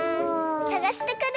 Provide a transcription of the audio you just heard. さがしてくる！